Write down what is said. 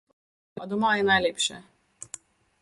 Povsod je lepo, a doma je najlepše.